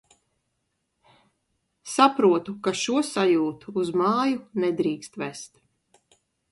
Saprotu, ka šo sajūtu uz māju nedrīkst vest...